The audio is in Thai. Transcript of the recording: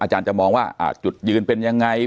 อาจารย์จะมองว่าจุดยืนเป็นยังไง